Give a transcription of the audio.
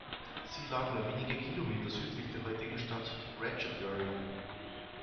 Sie lag nur wenige Kilometer südlich der heutigen Stadt Ratchaburi.